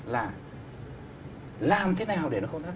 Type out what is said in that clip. là làm thế nào để nó không thấp